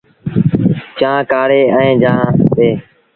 چآنه ڪآڙيٚ اهي جآن نا۔